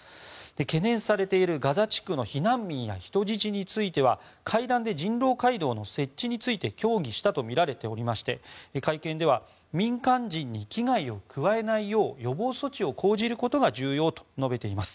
懸念されているガザ地区の避難民や人質については会談で人道回廊の設置について協議したとみられておりまして会見では民間人に危害を加えないよう予防措置を講じることが重要と述べています。